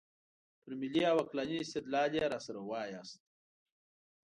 پر ملي او عقلاني استدلال یې راسره وایاست.